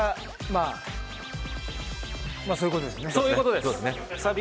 まあ、そういうことですよね。